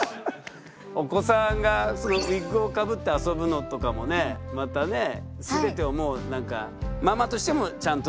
お子さんがウィッグをかぶって遊ぶのとかもねまたね全てをもうママとしてもちゃんとね伝えられてるし。